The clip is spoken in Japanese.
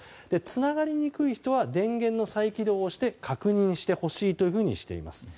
つながりにくい人は電源の再起動をして確認してほしいとしています。